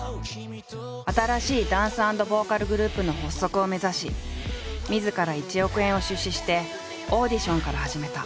新しいダンス＆ボーカルグループの発足を目指しみずから１億円を出資してオーディションから始めた。